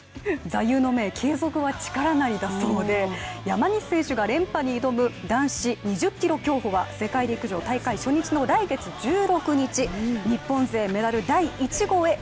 座右の銘、「継続は力なり」だそうで山西選手が連覇に挑む男子２０ｋｍ競歩は世界陸上大会初日の来月１６日、日本勢メダル第１号へ。